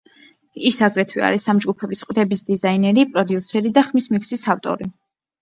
ის აგრეთვე არის ამ ჯგუფების ყდების დიზაინერი, პროდიუსერი და ხმის მიქსის ავტორი.